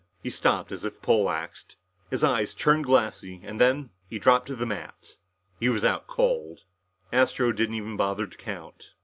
He stopped as if poleaxed. His eyes turned glassy and then he dropped to the mat. He was out cold. Astro didn't even bother to count.